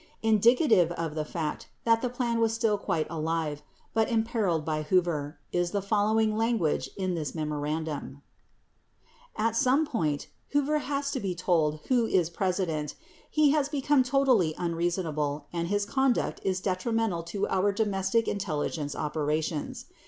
29 Indicative of the fact that the plan was still quite alive, but imperiled by Hoover, is the following language in this memorandum : At some point, Hoover has to be told who is President. He has become totally unreasonable and his conduct is detri mental to our domestic intelligence operations